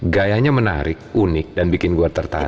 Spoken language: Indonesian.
gayanya menarik unik dan bikin gue tertarik